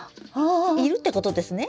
いるってことですね。